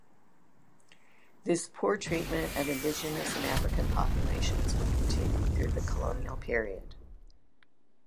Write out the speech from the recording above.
This poor treatment of indigenous and African populations would continue though the colonial period.